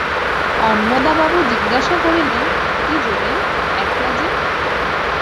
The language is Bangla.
অন্নদাবাবু জিজ্ঞাসা করিলেন, কী যোগেন, একলা যে?